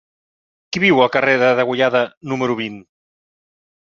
Qui viu al carrer de Degollada número vint?